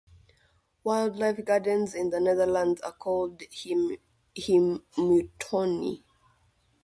Wildlife gardens in the Netherlands are called "heemtuinen".